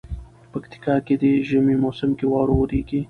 پکتيا کي دي ژمي موسم کي واوري وريږي